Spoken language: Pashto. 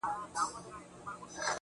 ټولو پردی کړمه؛ محروم يې له هيواده کړمه,